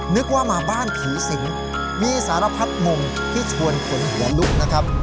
นึกว่ามาบ้านผีสิงมีสารพัดมุมที่ชวนขนหัวลุกนะครับ